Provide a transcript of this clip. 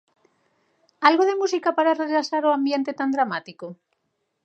Algo de música para relaxar o ambiente tan dramático?